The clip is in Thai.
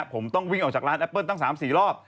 ผมต้องวิ่งออกจากร้านแอปเปิ้ลตั้ง๓๔รอบ